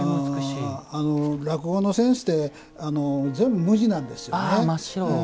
落語の扇子って全部、無地なんですよね。